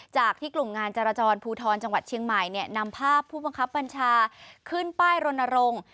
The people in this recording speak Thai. จากที่กลุ่มงานจรจรภูทรจังหวัดเชียงใหม่นำภาพผู้บังคับบัญชาขึ้นป้ายรณรงค์